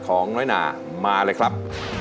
ของน้อยนามาเลยครับ